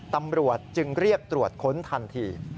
ตำรวจจึงเรียกตรวจค้นทันที